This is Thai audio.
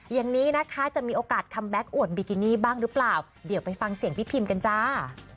อย่างนี้นะคะจะมีโอกาสคัมแก๊กอวดบิกินี่บ้างหรือเปล่าเดี๋ยวไปฟังเสียงพี่พิมกันจ้า